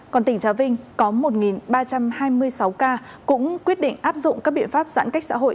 còn tỉnh trà vinh có một ba trăm hai mươi sáu ca cũng quyết định áp dụng các biện pháp giãn cách xã hội